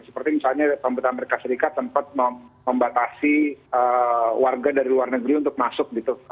seperti misalnya pemerintah amerika serikat sempat membatasi warga dari luar negeri untuk masuk gitu